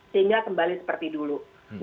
sehingga kembali seperti dulu